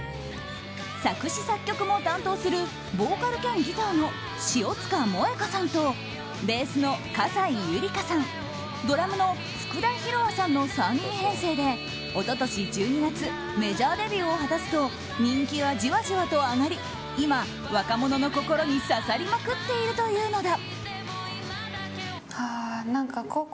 作詞・作曲も担当するボーカル兼ギターの塩塚モエカさんとベースの河西ゆりかさんドラムのフクダヒロアさんの３人編成で一昨年１２月メジャーデビューを果たすと人気はじわじわと上がり今、若者の心に刺さりまくっているというのだ。